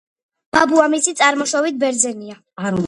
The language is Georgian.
ბაბუამისი წარმოშობით ბერძენია.